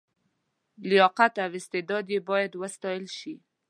لیاقت او استعداد یې باید وستایل شي.